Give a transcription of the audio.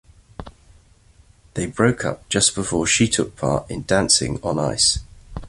They broke up just before she took part in "Dancing on Ice"